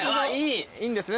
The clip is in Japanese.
いいんですね？